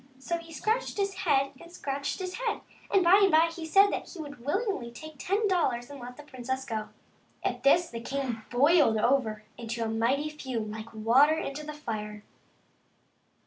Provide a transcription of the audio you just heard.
So he scratched his head and scratched his head, and by and by he said that he would be willing to take ten dollars and let the princess go. At this the king boiled over into a mighty fume, like water into the fire.